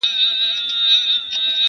o بې ما بې شل نه کړې٫